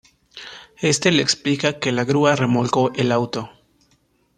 Este le explica que la grúa remolcó el auto.